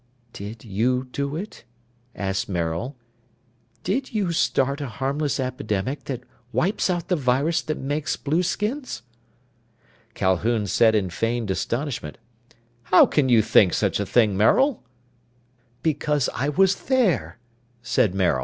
"Did you do it?" asked Maril. "Did you start a harmless epidemic that wipes out the virus that makes blueskins?" Calhoun said in feigned astonishment, "How can you think such a thing, Maril?" "Because I was there," said Maril.